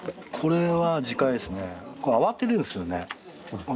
慌てるんですよね。